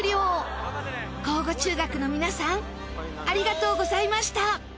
庚午中学の皆さんありがとうございました！